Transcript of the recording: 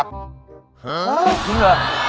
จริงเหรอ